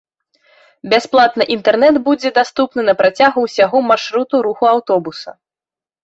Бясплатны інтэрнэт будзе даступны на працягу ўсяго маршруту руху аўтобуса.